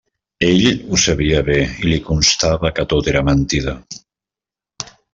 Ell ho sabia bé, i li constava que tot era mentida.